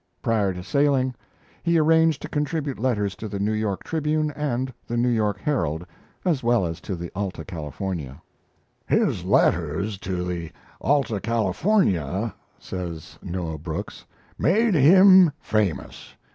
Prior to sailing he arranged to contribute letters to the 'New York Tribune' and the 'New York Herald', as well as to the 'Alta California'. "His letters to the 'Alta California'," says Noah Brooks, "made him famous.